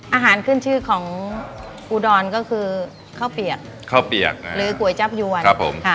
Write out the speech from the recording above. อาหารขึ้นชื่อของอุดรก็คือข้าวเปียกข้าวเปียกหรือก๋วยจับยวนครับผมค่ะ